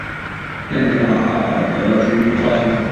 圣梅阿尔德居尔松。